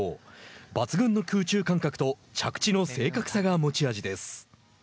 抜群の空中感覚と着地の正確さが持ち味です。